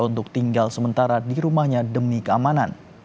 untuk tinggal sementara di rumahnya demi keamanan